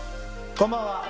こんばんは。